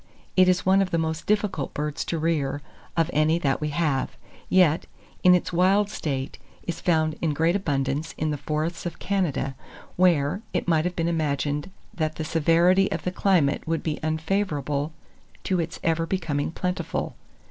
It is one of the most difficult birds to rear, of any that we have; yet, in its wild state, is found in great abundance in the forests of Canada, where, it might have been imagined that the severity of the climate would be unfavourable to its ever becoming plentiful.